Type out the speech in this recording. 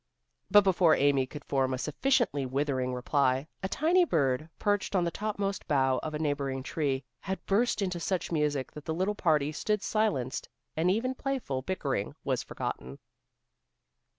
But before Amy could form a sufficiently withering reply, a tiny bird, perched on the topmost bough of a neighboring tree, had burst into such music that the little party stood silenced, and even playful bickering was forgotten.